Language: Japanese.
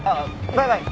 バイバイ。